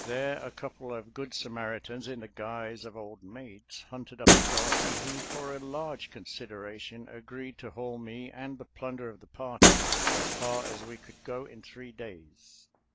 There a couple of good Samaritans in the guise of old maids hunted up a darky who for a large consideration agreed to haul me and the plunder of the party as far as we could go in three days.